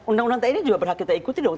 undang undang tni juga berhak kita ikuti dong